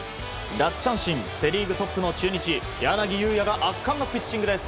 奪三振セ・リーグトップの中日柳裕也が圧巻のピッチングです。